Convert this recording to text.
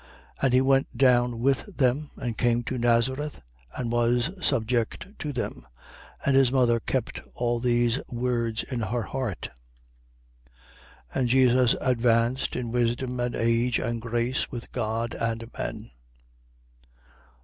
2:51. And he went down with them and came to Nazareth and was subject to them. And his mother kept all these words in her heart. 2:52. And Jesus advanced in wisdom and age and grace with God and men.